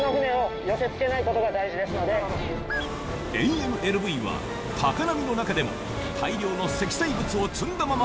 ＡＭＬＶは高波の中でも大量の積載物を積んだまま